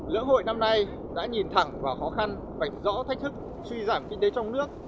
lưỡng hội năm nay đã nhìn thẳng vào khó khăn vạch rõ thách thức suy giảm kinh tế trong nước